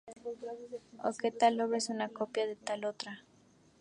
O que tal obra es una copia de tal otra.